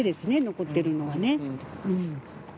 残ってるのはね。